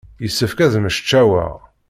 Yessefk ad mmecčaweɣ.